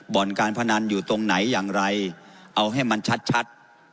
บ่อนการพนันอยู่ตรงไหนอย่างไรเอาให้มันชัด